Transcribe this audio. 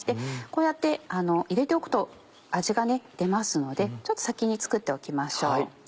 こうやって入れておくと味が出ますので先に作っておきましょう。